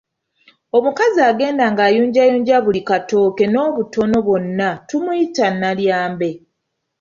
Omukazi agenda ng'ayunjayunja buli katooke n’obuto bwonna tumuyita Nalyambe.